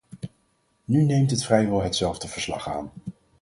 Nu neemt het vrijwel hetzelfde verslag aan.